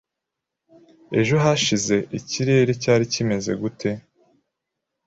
Ejo hashize ikirere cyari kimeze gute?